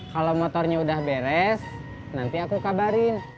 kalau motornya udah beres nanti aku kabarin